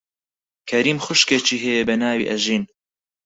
کەریم خوشکێکی هەیە بە ناوی ئەژین.